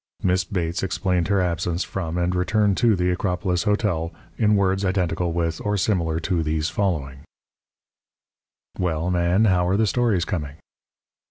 Miss Bates explained her absence from and return to the Acropolis Hotel in words identical with or similar to these following: "Well, Man, how are the stories coming?"